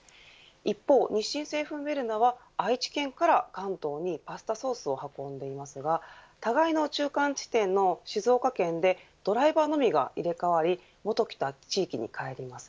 一方、日清製粉ウェルナは愛知県から関東にパスタソースを運んでいますが互いの中間地点の静岡県でドライバーのみが入れ替わりもと来た地域に帰ります。